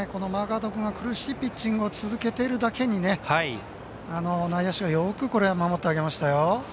マーガード君が苦しいピッチングを続けているだけに内野手はよく守ってあげましたよ。